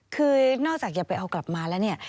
คือนอกจากอย่าไปเอากลับมาแล้วเนี่ย